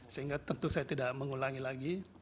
sehingga tentu saya tidak mengulangi lagi